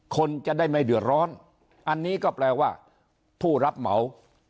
คนจะได้ไม่เดือดร้อนอันนี้ก็แปลว่าผู้รับเหมา